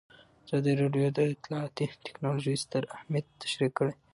ازادي راډیو د اطلاعاتی تکنالوژي ستر اهميت تشریح کړی.